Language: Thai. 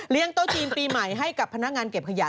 โต๊ะจีนปีใหม่ให้กับพนักงานเก็บขยะ